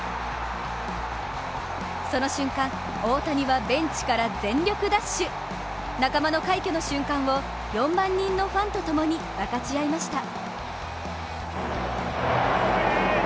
その瞬間、大谷はベンチから全力ダッシュ仲間の快挙の瞬間を４万人のファンと共に分かち合いました。